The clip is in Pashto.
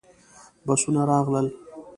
بسونه راغلل.